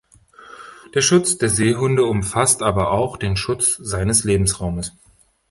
Der Schutz der Seehunde umfasst aber auch den Schutz seines Lebensraumes.